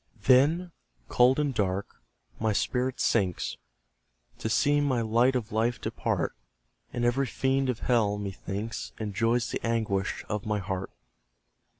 Then, cold and dark, my spirit sinks, To see my light of life depart; And every fiend of Hell, methinks, Enjoys the anguish of my heart.